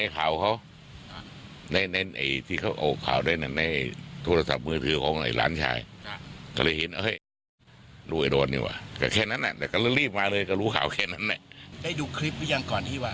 เพียงแต่หลานชายบวกช่วยแต่ตัวมันเลยก็แบบนี้